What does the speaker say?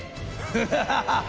フハハハハ！